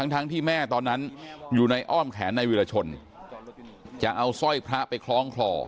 ทั้งที่แม่ตอนนั้นอยู่ในอ้อมแขนในวิรชนจะเอาสร้อยพระไปคล้องคลอ